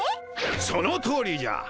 そのとおりじゃ。